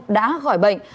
đã khỏi bệnh